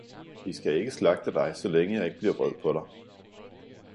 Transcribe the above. De skal ikke slagte dig, så længe jeg ikke bliver vred på dig!